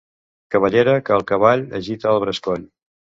Cabellera que el cavall agita al bescoll.